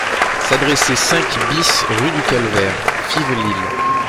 S'adresser cinq bis, rue du Calvaire, Fives-Lille.